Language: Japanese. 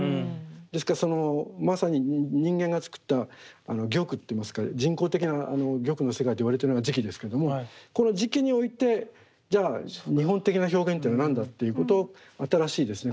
ですからまさに人間が作った玉っていいますか人工的な玉の世界といわれてるのが磁器ですけどもこの磁器においてじゃあ日本的な表現っていうのは何だっていうこと新しいですね